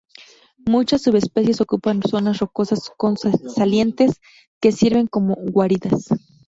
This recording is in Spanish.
Muchas subespecies ocupan zonas rocosas con salientes que sirven como guaridas.